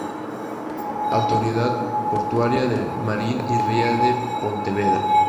Autoridad Portuaria de Marín y Ría de Pontevedra.